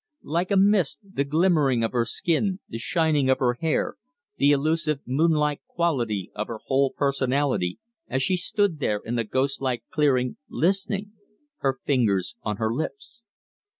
Like a mist the glimmering of her skin, the shining of her hair, the elusive moonlike quality of her whole personality as she stood there in the ghost like clearing listening, her fingers on her lips.